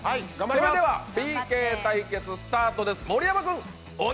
それではＰＫ対決スタートです。